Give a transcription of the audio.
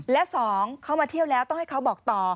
และ๒เขามาเที่ยวแล้วต้องให้เขาบอกต่อ